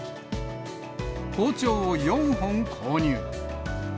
包丁を４本購入。